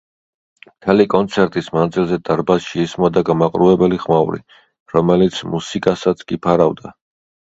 მთელი კონცერტის მანძილზე დარბაზში ისმოდა გამაყრუებელი ხმაური, რომელიც მუსიკასაც კი ფარავდა.